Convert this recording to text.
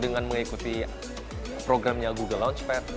dengan mengikuti programnya google launchpad